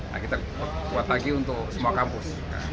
nah kita buat lagi untuk semua kampus